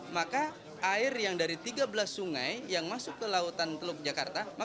maka air yang dari tiga belas sungai yang masuk ke lautan teluk jakarta